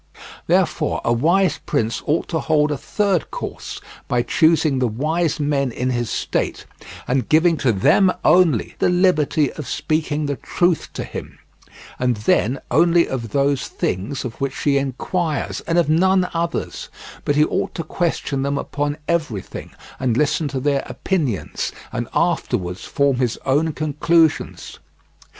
Therefore a wise prince ought to hold a third course by choosing the wise men in his state, and giving to them only the liberty of speaking the truth to him, and then only of those things of which he inquires, and of none others; but he ought to question them upon everything, and listen to their opinions, and afterwards form his own conclusions.